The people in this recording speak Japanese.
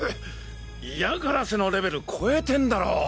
嫌がらせのレベル超えてんだろ。